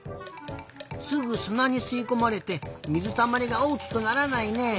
すぐすなにすいこまれて水たまりがおおきくならないね。